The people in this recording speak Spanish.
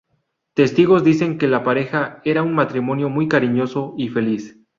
Testigos dicen que la pareja era un matrimonio muy cariñoso y feliz.